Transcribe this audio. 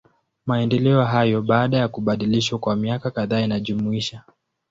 Maendeleo hayo, baada ya kubadilishwa kwa miaka kadhaa inajumuisha.